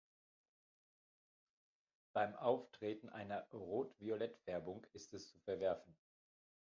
Beim Auftreten einer Rot-Violettfärbung ist es zu verwerfen.